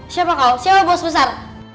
siapa kau siapa bos besar